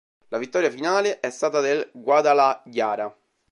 La vittoria finale è stata del Guadalajara.